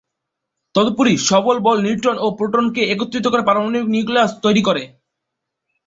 তদুপরি, সবল বল নিউট্রন এবং প্রোটন কে একত্রিত করে পারমাণবিক নিউক্লিয়াস তৈরি করে।